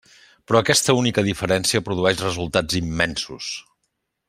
Però aquesta única diferència produeix resultats immensos.